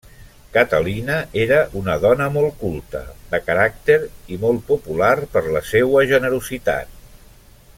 Catalina era una dona molt culta, de caràcter, i molt popular per la seua generositat.